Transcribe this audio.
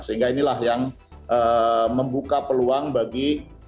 sehingga inilah yang membuka peluang bagi